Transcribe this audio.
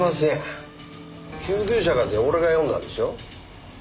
救急車かて俺が呼んだんですよ。